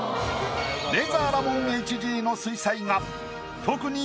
レイザーラモンＨＧの水彩画特に。